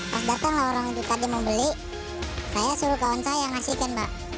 pas datang lah orang itu tadi mau beli saya suruh kawan saya ngasihkan mbak